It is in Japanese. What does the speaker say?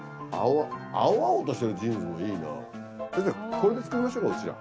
これで作りましょうかうちら。